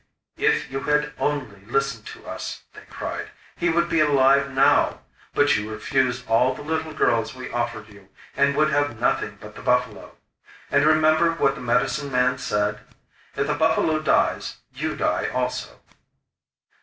'If you had only listened to us,' they cried, 'he would be alive now. But you refused all the little girls we offered you, and would have nothing but the buffalo. And remember what the medicine man said: "If the buffalo dies you die also!"